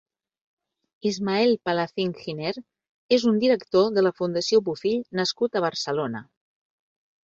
Ismael Palacín Giner és un director de la Fundació Bofill nascut a Barcelona.